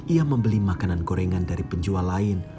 ia membeli makanan gorengan dari penjual lain